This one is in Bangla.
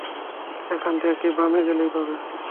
সেখান থেকে বামে গেলেই পাবে।